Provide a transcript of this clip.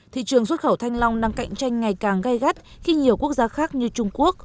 thị trường xuất khẩu thanh long đang cạnh tranh ngày càng gây gắt khi nhiều quốc gia khác như trung quốc